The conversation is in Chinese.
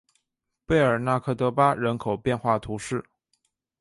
贝尔纳克德巴人口变化图示